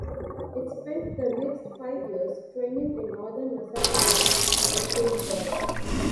It spent the next five years training in northern Massachusetts and Cape Cod.